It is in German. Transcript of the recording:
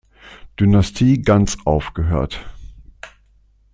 Dynastie ganz aufgehört.